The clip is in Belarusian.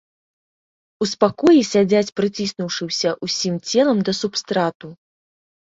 У спакоі сядзяць, прыціснуўшыся ўсім целам да субстрату.